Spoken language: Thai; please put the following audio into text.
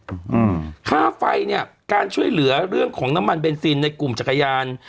อืมค่าไฟเนี้ยการช่วยเหลือเรื่องของน้ำมันเบนซินในกลุ่มจักรยาน